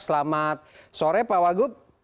selamat sore pak wagub